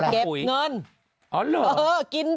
เก็บเงินอ้อหรอ